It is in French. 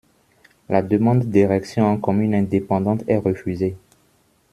La demande d'érection en commune indépendante est refusée.